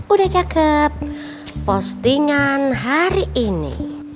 udah cakep postingan hari ini